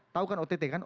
tahu kan ott kan